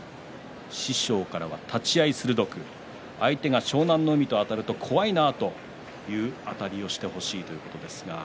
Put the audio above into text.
師匠からは立ち合い鋭く相手が湘南乃海、あたると怖いなとそういうあたりをしてほしいということです。